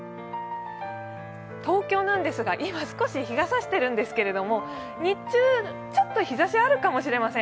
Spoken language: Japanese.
東京、今少し日がさしてるんですけど日中ちょっと日ざしあるかもしれません。